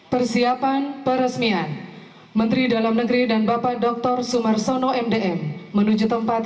persiapan peresmian menteri dalam negeri dan bapak dr sumarsono mdm menuju tempat